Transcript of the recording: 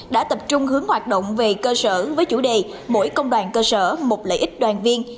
đã tập trung hướng hoạt động về cơ sở với chủ đề mỗi công đoàn cơ sở một lợi ích đoàn viên